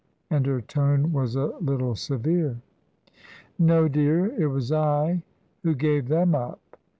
and her tone was a little severe. "No, dear, it was I who gave them up.